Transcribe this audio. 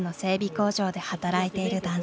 工場で働いている男性。